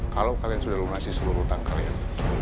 kalau kalian sudah lo ngasih seluruh utang kalian